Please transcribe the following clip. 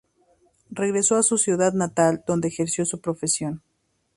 Regresó a su ciudad natal, donde ejerció su profesión.